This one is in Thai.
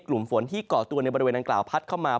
กลุ่มฝนที่เกาะตัวในบริเวณดังกล่าวพัดเข้ามา